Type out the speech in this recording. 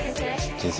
先生